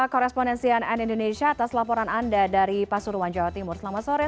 korespondensian and indonesia atas laporan anda dari pasur ruan jawa timur selamat sore